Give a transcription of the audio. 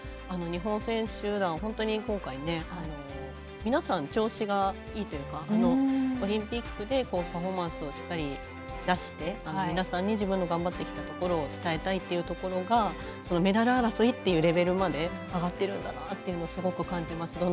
日本選手団、本当に今回皆さん調子がいいというかオリンピックでパフォーマンスをしっかり出して皆さんに自分の頑張ってきたところを伝えたいというところがメダル争いっていうレベルまで上がってるんだなというのをすごく感じます。